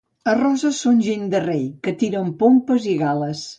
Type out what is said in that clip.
A Roses són gent de rei, que tiren pompes i gales.